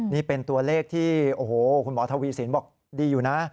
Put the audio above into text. นี่เป็นตัวเลขที่โอ้โหคุณหมอทวีสินบอกดีอยู่นะ